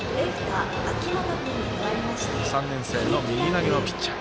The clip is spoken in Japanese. ３年生の右投げのピッチャー。